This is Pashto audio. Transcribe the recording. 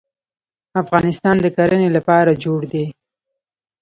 افغانستان د کرنې لپاره جوړ دی.